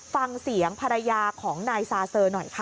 ฟังเสียงภรรยาของนายซาเซอร์หน่อยค่ะ